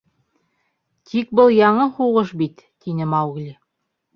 — Тик был яңы һуғыш бит, — тине Маугли.